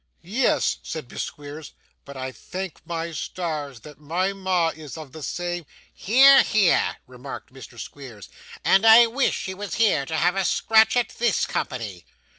'Yes,' said Miss Squeers; 'but I thank my stars that my ma is of the same ' 'Hear, hear!' remarked Mr. Squeers; 'and I wish she was here to have a scratch at this company.